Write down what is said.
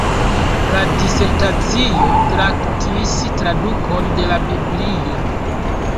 La disertacio traktis tradukon de la biblio.